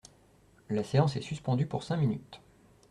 La séance est suspendue pour cinq minutes.